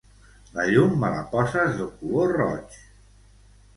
La llum me la poses de color roig.